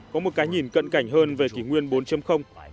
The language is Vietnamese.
có một cái nhìn cận cảnh hơn về kỷ nguyên bốn